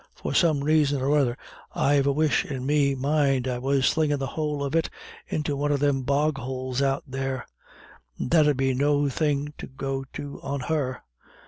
For some raison or other I've the wish in me mind I was slingin' the whole of it into one of thim bog houles out there and that 'ud be no thing to go do on her....